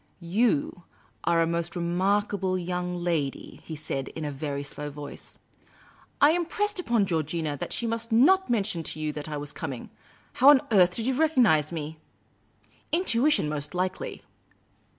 " You are a most remarkable young lady," he said, in a very slow voice. " I impressed upon Georgina that she must not mention to you that I was com ing. How on earth did you recognise me ?"" Intuition, most likely."